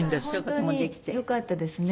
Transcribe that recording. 本当によかったですね。